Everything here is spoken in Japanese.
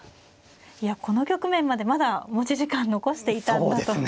いやこの局面までまだ持ち時間残していたんだと驚きですね。